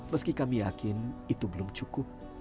meski kami yakin itu belum cukup